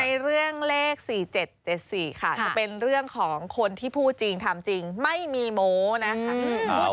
ในเรื่องเลข๔๗๗๔ค่ะจะเป็นเรื่องของคนที่พูดจริงทำจริงไม่มีโม้นะคะ